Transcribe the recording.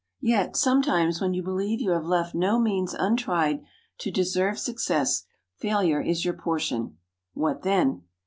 Yet, sometimes, when you believe you have left no means untried to deserve success, failure is your portion. What then?